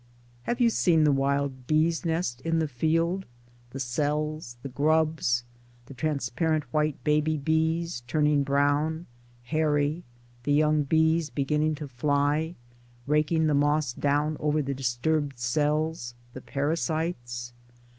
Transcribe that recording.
Have you seen the wild bees' nest in the field, the cells, the grubs, the transparent white baby bees, turning brown, hairy, the young bees beginning to fly, raking the moss down over the disturbed cells? the parasites?